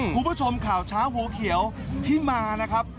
คุณผู้ชมข่าวเช้าหัวเขียวที่มานะครับ